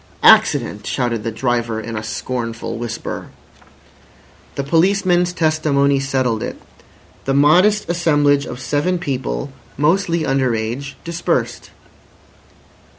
"Accident!" shouted the driver in a scornful whisper. The policeman's testimony settled it. The modest assemblage of seven people, mostly under age, dispersed.